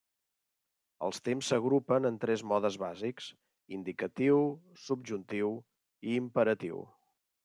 Els temps s'agrupen en tres modes bàsics: indicatiu, subjuntiu i imperatiu.